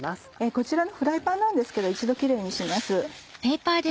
こちらのフライパンなんですけど一度キレイにします。